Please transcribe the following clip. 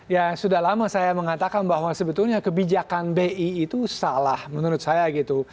ya sudah lama saya mengatakan bahwa sebetulnya kebijakan bi itu salah menurut saya gitu